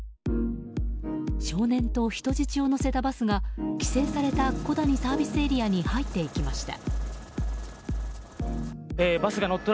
少年と人質を乗せたバスが規制された小谷ＳＡに入っていきました。